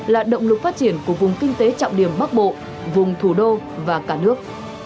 là động lực phát triển của vùng kinh tế trọng điểm bắc bộ vùng thủ đô và cả nước